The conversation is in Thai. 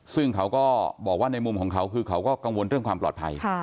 ซึ่งเขาก็บอกว่าในมุมของเขาคือเขาก็กังวลเรื่องความปลอดภัย